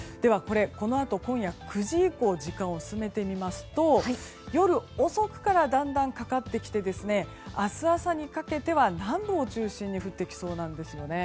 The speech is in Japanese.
このあと今夜９時以降時間を進めてみますと夜遅くからだんだんかかってきて明日朝にかけては南部を中心に降ってきそうなんですよね。